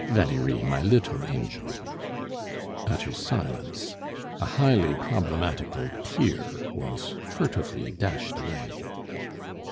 "Valerie, my little Angel!" Utter silence. A highly problematical tear was furtively dashed away.